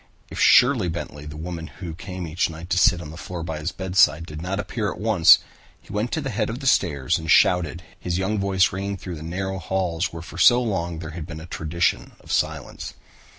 If Sherley Bentley, the woman who came each night to sit on the floor by his bedside, did not appear at once, he went to the head of the stairs and shouted, his young voice ringing through the narrow halls where for so long there had been a tradition of silence.